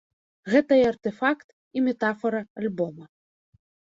Гэта і артэфакт, і метафара альбома.